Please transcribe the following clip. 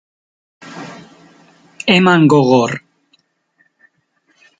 Eman gogor!